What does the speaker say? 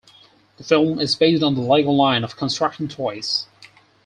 The film is based on the Lego line of construction toys.